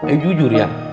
eh jujur ya